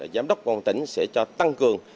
giám đốc công an tỉnh sẽ cho tăng cường